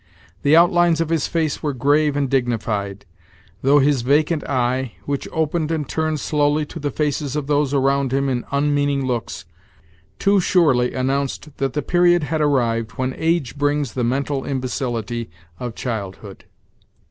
The outlines of his face were grave and dignified, though his vacant eye, which opened and turned slowly to the faces of those around him in unmeaning looks, too surely' announced that the period had arrived when age brings the mental imbecility of childhood.